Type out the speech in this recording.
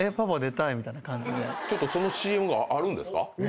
ちょっとそのＣＭがあるんですか？